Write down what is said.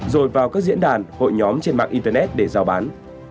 rồi vào các diễn đàn hội nhóm trên mạng internet để giao bán